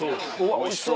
おいしそう。